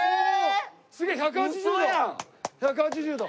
１８０度！